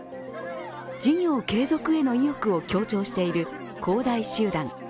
事業継続への意欲を強調している恒大集団。